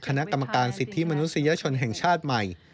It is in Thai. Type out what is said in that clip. คณะกรรมการสิทธิมนุษยชนแห่งชาติใหม่